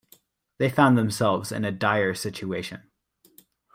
They found themselves in a dire situation.